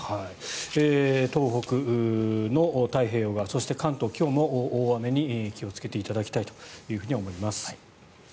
東北の太平洋側そして関東は今日も大雨に気をつけていただきたいと思います。